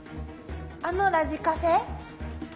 あのラジカセ？